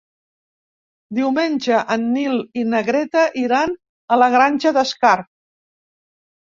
Diumenge en Nil i na Greta iran a la Granja d'Escarp.